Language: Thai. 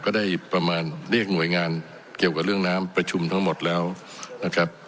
ก็ได้ประมาณเรียกหน่วยงานเกี่ยวกับเรื่องน้ำประชุมทั้งหมดแล้วนะครับ